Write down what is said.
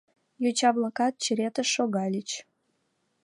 Йоча-влакат черетыш шогальыч.